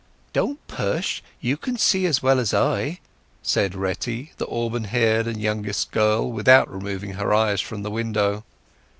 "Don't push! You can see as well as I," said Retty, the auburn haired and youngest girl, without removing her eyes from the window.